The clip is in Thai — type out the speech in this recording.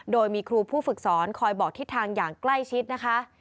โดยมีครูผู้ฝึกสอนคอยบอกทิศทางอย่างใกล้ชิดนะคะ